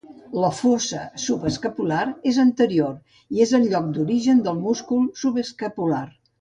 La fossa subescapular és anterior i és el lloc d'origen del múscul subescapular.